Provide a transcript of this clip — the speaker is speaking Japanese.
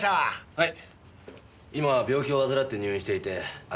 はい。